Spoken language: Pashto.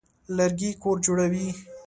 لرګي کور جوړوي.